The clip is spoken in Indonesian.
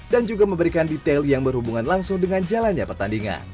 dan juga memberikan detail yang berhubungan langsung dengan jalannya pertandingan